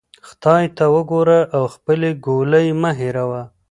خدای ته وګوره او خپلې ګولۍ مه هیروه.